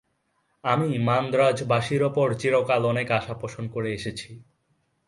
আমি মান্দ্রাজবাসীর উপর চিরকাল অনেক আশা পোষণ করে এসেছি।